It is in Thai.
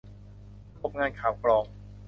ระบบงานข่าวกรอง